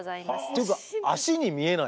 っていうか脚に見えない。